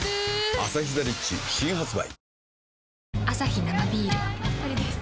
「アサヒザ・リッチ」新発売